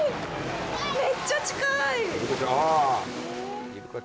めっちゃ近い。